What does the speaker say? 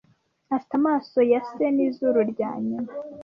Afite amaso ya se n'izuru rya nyina.